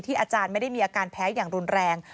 อาจารย์ไม่ได้มีอาการแพ้อย่างรุนแรง